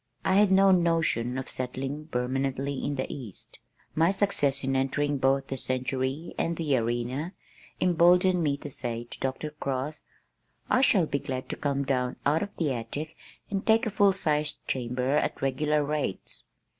I had no notion of settling permanently in the east. My success in entering both the Century and the Arena emboldened me to say to Dr. Cross, "I shall be glad to come down out of the attic and take a full sized chamber at regular rates."